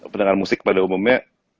pendengar musik pada umumnya